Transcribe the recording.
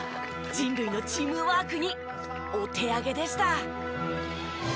人類のチームワークにお手上げでした。